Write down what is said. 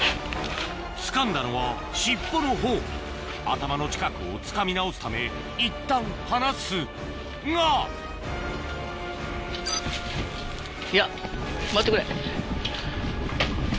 つかんだのは尻尾のほう頭の近くをつかみ直すためいったん放すが！いや待ってくれ。